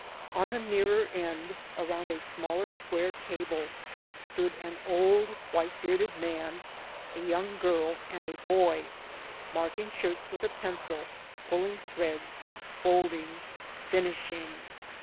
On the nearer end, around a smaller square table, stood an old, white bearded man, a young girl, and a boy, marking shirts with a pencil, pulling threads, folding, "finishing."